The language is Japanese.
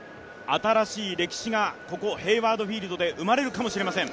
新しい歴史がここヘイワード・フィールドで生まれるかもしれません。